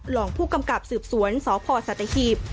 รองผู้กำกับสืบสวนสพสัตหีบ